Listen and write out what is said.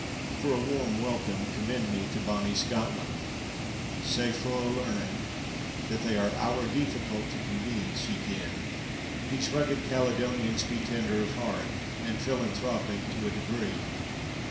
For a "warm welcome" commend me to Bonnie Scotland. Though hard of head and "sae fu' o' learning" that they are "owre deeficult to conveence, ye ken," these rugged Caledonians be tender of heart, and philanthropic to a degree.